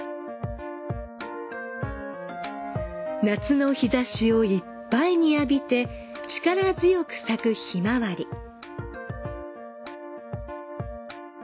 夏の日差しをいっぱいに浴びて力強く咲くヒマワリ。